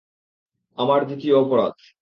আমার দ্বিতীয় অপরাধ।